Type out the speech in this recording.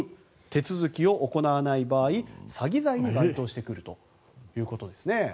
手続きを行わない場合詐欺罪に該当してくるということです。